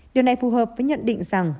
điều này phù hợp với nhận định rằng